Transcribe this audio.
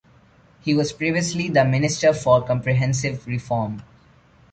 He was previously the minister for comprehensive reform.